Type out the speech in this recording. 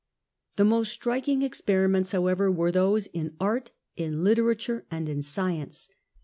The most striking experiments, however, were those in art, in literature and in science.